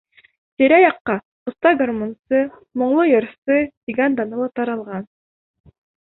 Тирә-яҡҡа оҫта гармунсы, моңло йырсы тигән даны ла таралған.